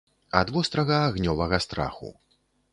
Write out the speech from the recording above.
Ад вострага, агнёвага страху.